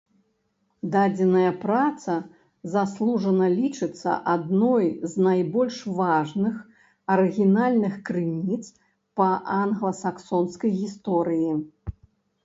Дадзеная праца заслужана лічыцца адной з найбольш важных арыгінальных крыніц па англасаксонскай гісторыі.